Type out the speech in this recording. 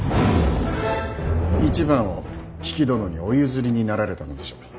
一番を比企殿にお譲りになられたのでしょう。